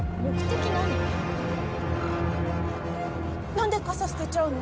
何で傘捨てちゃうの？